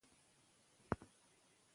خو دغومره دې کوي،